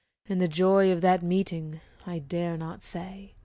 And the joy of that meeting I dare not say.